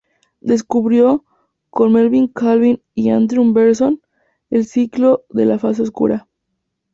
Descubrió, con Melvin Calvin y Andrew Benson, el ciclo de la fase oscura.